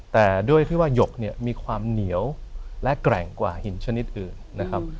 แต่ด้วยที่ว่าหยกเนี่ยมีความเหนียวและแกร่งกว่าหินชนิดอื่นนะครับ